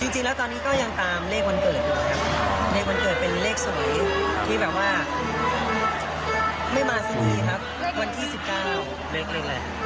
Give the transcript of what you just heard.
จริงแล้วตอนนี้ก็ยังตามเลขวันเกิดนะครับ